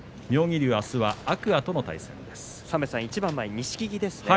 妙義龍はあすは天空海との対戦です。